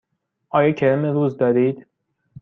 آیا کرم روز دارید؟